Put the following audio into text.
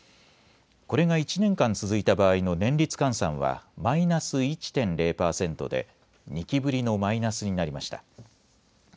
これが１年間続いた場合の年率換算はマイナス１．０％で２期ぶりのマイナスになりました。